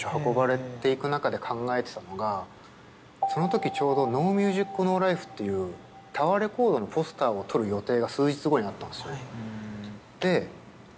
そのときちょうど「ＮＯＭＵＳＩＣＮＯＬＩＦＥ」っていうタワーレコードのポスターを撮る予定が数日後にあったんですよ。